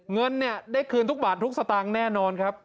เงินเนี่ยได้คืนทุกบาททุกสตางค์แน่นอนครับ